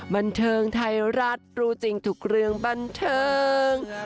บันเทิงไทยรัฐรู้จริงทุกเรื่องบันเทิง